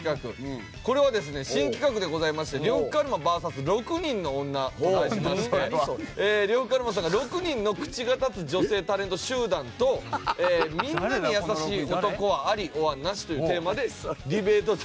これはですね新企画でございまして「呂布カルマＶＳ６人の女」と題しまして呂布カルマさんが６人の口が立つ女性タレント集団と「みんなに優しい男はアリｏｒナシ」というテーマでディベート。